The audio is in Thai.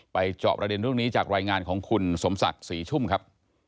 ไปจอบราเด็นตรงนี้จากรายงานของคุณสมสัตว์สี่ชุ่มครับ